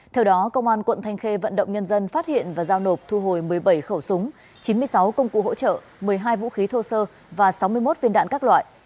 theo đó công an quận thanh khê vận động nhân dân phát hiện và giao nộp thu hồi một mươi bảy khẩu súng chín mươi sáu công cụ hỗ trợ một mươi hai vũ khí thô sơ và sáu mươi một viên đạn các loại